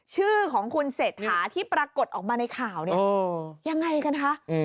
ชื่อของคุณเศรษฐาที่ปรากฏออกมาในข่าวเนี่ยยังไงกันคะ